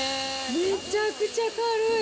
めちゃくちゃ軽い。